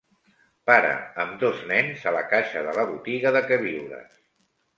Pare amb dos nens a la caixa de la botiga de queviures.